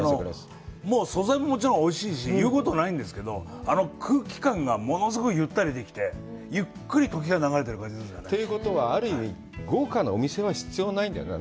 素材ももちろんおいしいし、言うことないんですけど、あの空気感が物すごいゆったりできて、ゆっくり時が流れてる感じがするんですよね。ということは、ある意味豪華なお店は必要ないんだよね。